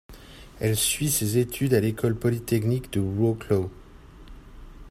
Elle suit ses études à l'École polytechnique de Wrocław.